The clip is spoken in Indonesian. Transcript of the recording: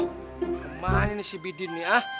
kemana ini si bidin nih ah